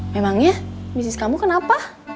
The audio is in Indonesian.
memangnya bisnis kamu kenapa